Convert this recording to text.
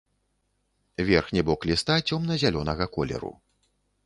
Верхні бок ліста цёмна-зялёнага колеру.